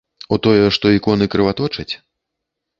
У тое, што іконы крываточаць?